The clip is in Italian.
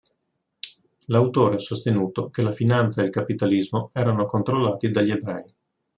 L'autore ha sostenuto che la finanza e il capitalismo erano controllati dagli ebrei.